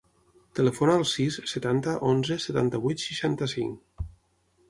Telefona al sis, setanta, onze, setanta-vuit, seixanta-cinc.